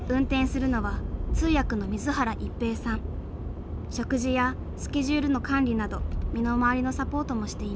食事やスケジュールの管理など身の回りのサポートもしています。